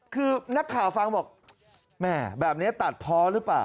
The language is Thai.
คือนักข่าวฟังบอกแม่แบบนี้ตัดพอหรือเปล่า